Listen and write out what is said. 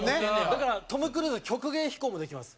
だからトム・クルーズ曲芸飛行もできます。